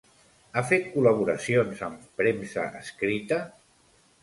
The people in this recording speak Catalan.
Ha fet col·laboracions amb premsa escrita?